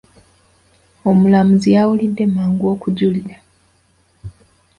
Omulamuzi yawulidde mangu okujulira.